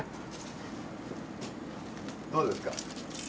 どうですか？